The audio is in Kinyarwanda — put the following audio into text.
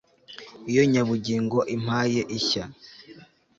iyo nyabugingo impaye ishya